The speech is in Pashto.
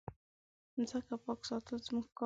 مځکه پاک ساتل زموږ کار دی.